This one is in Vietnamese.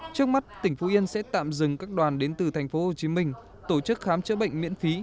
trước mắt tỉnh phú yên sẽ tạm dừng các đoàn đến từ tp hcm tổ chức khám chữa bệnh miễn phí